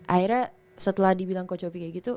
akhirnya setelah dibilang coach opie kayak gitu